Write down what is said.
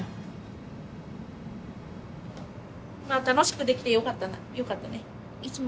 まあ楽しくできてよかったね。